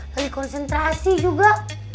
lagi konsentrasi juga